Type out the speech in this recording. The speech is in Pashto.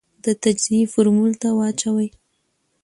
د تجزیې فورمول ته واچوې ،